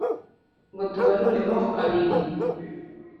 ngo tubarure mo abiri